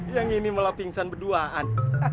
yang ini malah pingsan berduaan